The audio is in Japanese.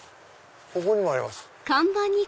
ここにもあります。